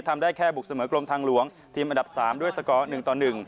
ทำได้แค่บุกเสมอกรมทางหลวงทีมอันดับ๓ด้วยสกอร์๑ต่อ๑